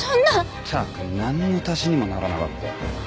ったくなんの足しにもならなかった。